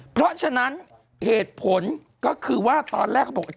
เพราะฉะนั้นเหตุผลก็คือว่าตอนแรกเขาบอก